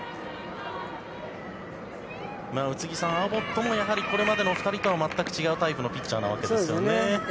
宇津木さん、アボットもやはりこれまでの２人とは全く違うタイプのピッチャーなわけですよね。